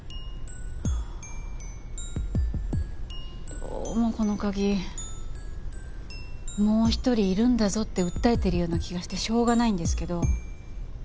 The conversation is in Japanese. どうもこの鍵もう１人いるんだぞって訴えてるような気がしてしょうがないんですけど。